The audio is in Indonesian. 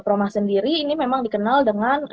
dari kiri ini memang dikenal dengan